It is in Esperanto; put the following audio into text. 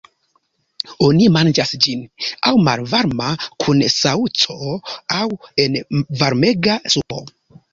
Oni manĝas ĝin aŭ malvarma kun saŭco, aŭ en varmega supo.